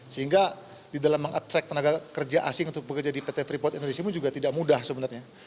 sehingga di dalam meng attract tenaga kerja asing untuk bekerja di pt freeport indonesia pun juga tidak mudah sebenarnya